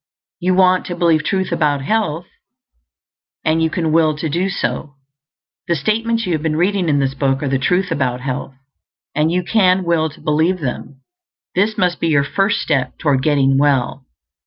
You want to believe truth about health, and you can will to do so. The statements you have been reading in this book are the truth about health, and you can will to believe them; this must be your first step toward getting well.